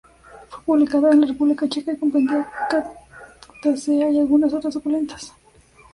Fue publicada en la República Checa y comprendía "Cactaceae y algunas otras suculentas".